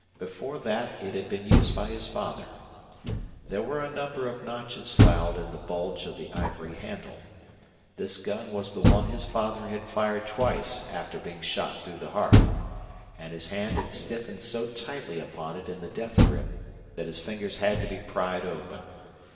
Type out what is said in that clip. Before that it had been used by his father. There were a number of notches filed in the bulge of the ivory handle. This gun was the one his father had fired twice after being shot through the heart, and his hand had stiffened so tightly upon it in the death grip that his fingers had to be pried open.